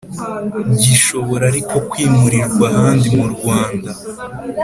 Gishobora ariko kwimurirwa ahandi mu rwanda